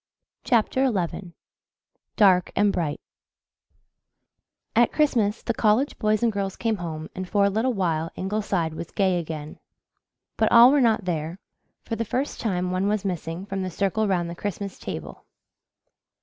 CHAPTER XI DARK AND BRIGHT At Christmas the college boys and girls came home and for a little while Ingleside was gay again. But all were not there for the first time one was missing from the circle round the Christmas table.